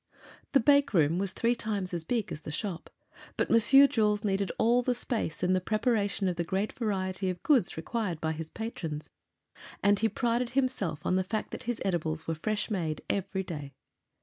] The bake room was three times as big as the shop; but Monsieur Jules needed all the space in the preparation of the great variety of goods required by his patrons, and he prided himself on the fact that his edibles were fresh made each day.